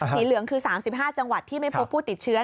เหลืองคือ๓๕จังหวัดที่ไม่พบผู้ติดเชื้อ